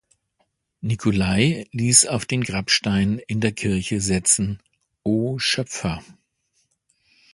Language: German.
Nicolai ließ auf den Grabstein in der Kirche setzen: „O Schöpfer!